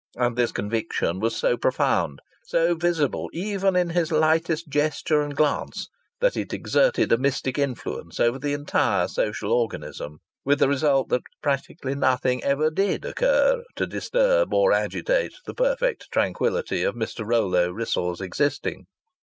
And this conviction was so profound, so visible even in his lightest gesture and glance, that it exerted a mystic influence over the entire social organism with the result that practically nothing ever did occur to disturb or agitate the perfect tranquillity of Mr. Rollo Wrissell's existing.